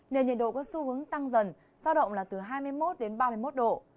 nền nhiệt độ có xu hướng tăng dần giao động là từ hai mươi một đến ba mươi một độ